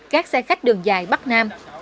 các xe khách đường dài bắc nam